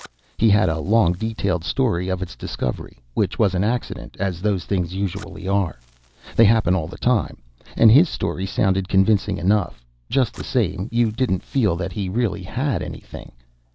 He had a long, detailed story of its discovery, which was an accident, as those things usually are. They happen all the time, and his story sounded convincing enough. Just the same, you didn't feel that he really had anything.